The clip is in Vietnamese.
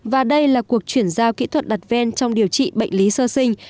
và đây là cuộc chuyển giao kỹ thuật đặt ven trong điều trị bệnh lý sơ sinh